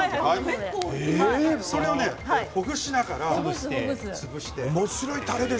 それをほぐしながら潰して。